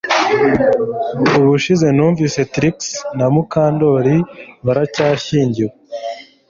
Ubushize numvise Trix na Mukandoli baracyashyingiwe